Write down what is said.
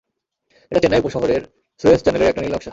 এটা চেন্নাই উপশহরের সুয়েজ চ্যানেলের একটা নীলনকশা।